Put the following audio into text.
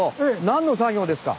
何の作業ですか？